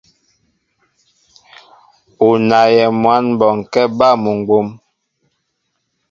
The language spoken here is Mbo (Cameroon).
U naayɛ mwǎn bɔnkɛ́ bɛ́ muŋgwóm.